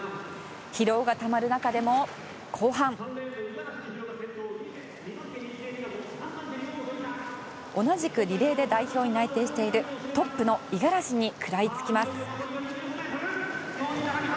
疲労がたまる中でも後半同じくリレーで代表に内定しているトップの五十嵐に食らいつきます。